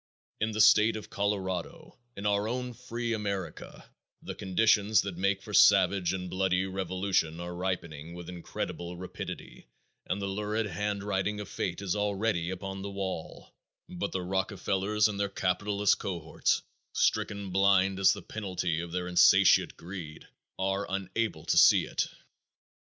In the state of Colorado in "our own free America" the conditions that make for savage and bloody revolution are ripening with incredible rapidity and the lurid handwriting of fate is already upon the wall, but the Rockefellers and their capitalist cohorts, stricken blind as the penalty of their insatiate greed, are unable to see it.